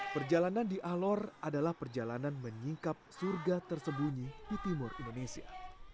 perjalanan di alor adalah perjalanan menyingkap surga tersembunyi di timur indonesia